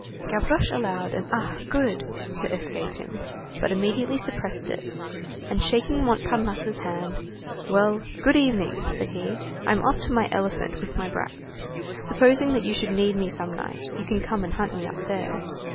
Gavroche allowed an: "Ah! good!" to escape him, but immediately suppressed it, and shaking Montparnasse's hand:— "Well, good evening," said he, "I'm going off to my elephant with my brats. Supposing that you should need me some night, you can come and hunt me up there.